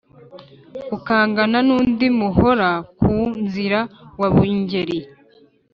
ukangana n’undi muhora-ku-nzira wa bungeri